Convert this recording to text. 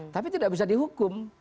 tapi tidak bisa dihukum